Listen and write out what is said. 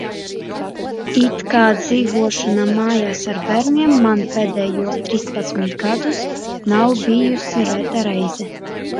It kā dzīvošana mājās ar bērniem man pēdējos trīspadsmit gadus nav bijusi reta reize.